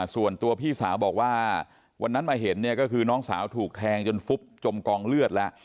ส่วนตัวพี่สาวบอกว่าวันนั้นมาเห็นเนี่ยก็คือน้องสาวถูกแทงจนฟุบจมกองเลือดแล้ว